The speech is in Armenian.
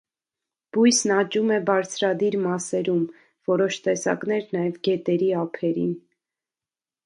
Բույսն աճում է բարձրադիր մասերում, որոշ տեսակներ՝ նաև գետերի ափերին։